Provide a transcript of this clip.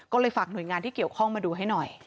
ก็เลยฝากหน่วยงานที่เกี่ยวข้องมาดูให้หน่อย